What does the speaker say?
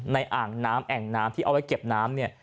อ่างน้ำแอ่งน้ำที่เอาไว้เก็บน้ำเนี่ย